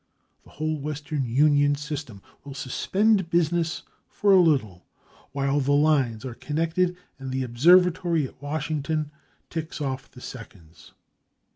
The whole Western Union system will suspend business for a little, while the lines are connected and the observatory at Washington ticks off the seconds.